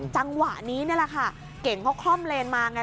จังหวะนี้นี่แหละค่ะเก่งเขาคล่อมเลนมาไง